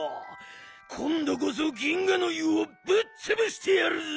こんどこそ銀河の湯をぶっつぶしてやるぞ！